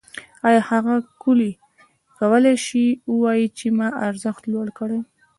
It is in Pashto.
آیا هغه کولی شي ووايي چې ما ارزښت لوړ کړی